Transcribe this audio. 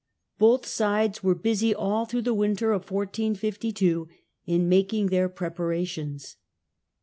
Both sides were busy all through the winter of 1452 in making their preparations.